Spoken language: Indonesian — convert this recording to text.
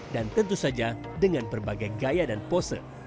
dan tentu saja dengan berbagai gaya dan pose